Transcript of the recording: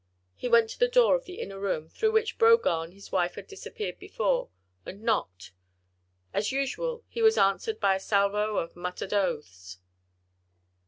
He went to the door of the inner room, through which Brogard and his wife had disappeared before, and knocked; as usual, he was answered by a salvo of muttered oaths.